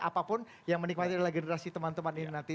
apapun yang menikmati adalah generasi teman teman ini nanti